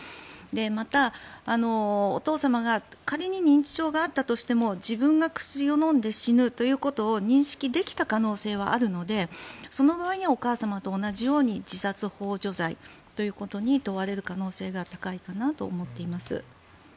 また、お父様が仮に認知症があったとしても自分が薬を飲んで死ぬということを認識できた可能性はあるのでその場合にはお母様と同じように自殺ほう助罪ということで問われる可能性が高いかなと思っています。